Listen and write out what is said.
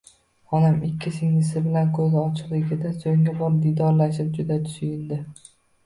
Onam ikki singlisi bilan ko`zi ochiqligida so`nggi bor diydorlashib juda suyundi